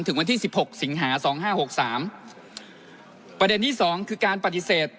วันที่สิบหกสิงหาสองห้าหกสามประเด็นที่สองคือการปฏิเสธ